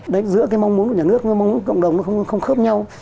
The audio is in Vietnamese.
đấy giữa cái mong muốn của nhà nước với mong cộng đồng nó không khớp nhau